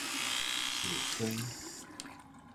樹霜